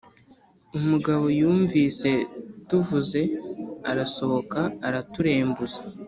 Umugabo Yumvise tuvuze arasohoka araturembuza